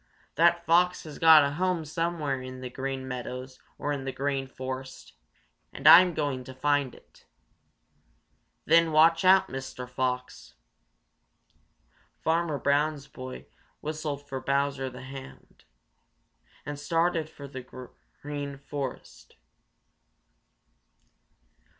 That fox has got a home somewhere on the Green Meadows or in the Green Forest, and I'm going to find it. Then watch out, Mr. Fox!" Farmer Brown's boy whistled for Bowser the Hound and started for the Green Forest.